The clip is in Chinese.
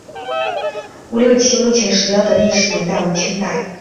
吴六奇墓前石雕的历史年代为清代。